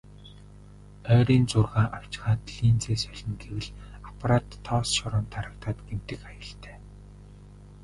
Ойрын зургаа авчхаад линзээ солино гэвэл аппарат тоос шороонд дарагдаад гэмтэх аюултай.